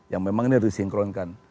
yang memang ini harus disinkronkan